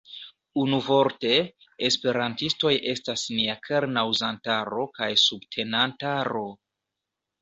Unuvorte, esperantistoj estas nia kerna uzantaro kaj subtenantaro.